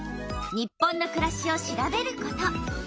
「日本のくらし」を調べること。